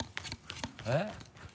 えっ？